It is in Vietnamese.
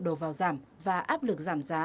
đầu vào giảm và áp lực giảm giá